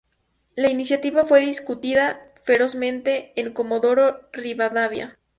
La iniciativa fue discutida ferozmente en Comodoro Rivadavia.